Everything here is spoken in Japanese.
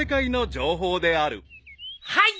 はい！